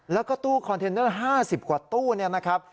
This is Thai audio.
แล้วก็ตู้คอนเทนเนอร์๕๐กว่าตู้เนี่ยนะครับ